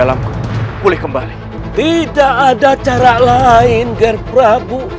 apa yang dibaksud dengan semuanya ger prabu